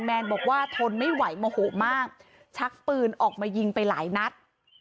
แนนบอกว่าทนไม่ไหวโมโหมากชักปืนออกมายิงไปหลายนัด